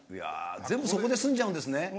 全部、そこで済んじゃうんですね。